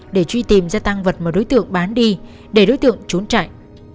để truy tìm ra tăng vật mà đối tượng bán đi để đối tượng trốn chạy